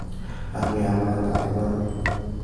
আমি আমার দাদীমা নই।